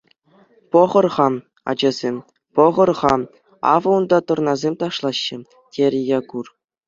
— Пӑхӑр-ха, ачасем, пӑхӑр-ха, авӑ унта тӑрнасем ташлаҫҫӗ, — терӗ Якур.